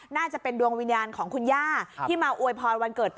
น่าจะเป็นดวงวิญญาณของคุณย่าที่มาอวยพรวันเกิดพ่อ